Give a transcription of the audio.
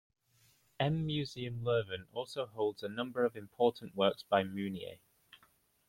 M - Museum Leuven also holds a number of important works by Meunier.